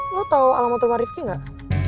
lo tau alamat rumah rifki gak